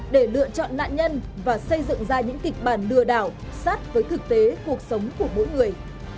để lựa chọn nạn nhân và xây dựng ra những kịch bản lừa đảo sát với thực tế cuộc sống của mỗi người